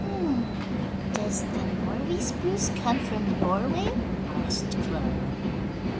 "Does the Norway spruce come from Norway?" asked Clara.